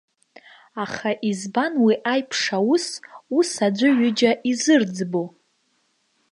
Аха избан уи аиԥш аус, ус аӡәы-ҩыџьа изырӡбо?